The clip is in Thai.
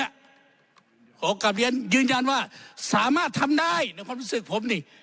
ขอกลับเรียนยืนยันว่าสามารถทำได้ในความรู้สึกผมนี่